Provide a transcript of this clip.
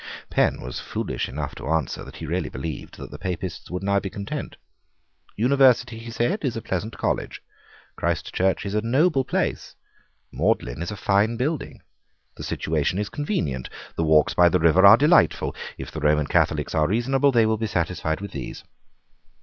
Penn was foolish enough to answer that he really believed that the Papists would now be content. "University," he said, "is a pleasant college. Christ Church is a noble place. Magdalene is a fine building. The situation is convenient. The walks by the river are delightful. If the Roman Catholics are reasonable they will be satisfied with these."